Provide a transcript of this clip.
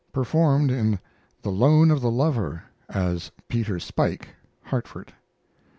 Performed in THE LOAN OF THE LOVER as Peter Spuyk (Hartford).